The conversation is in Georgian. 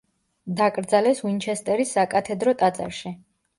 დაკრძალეს უინჩესტერის საკათედრო ტაძარში.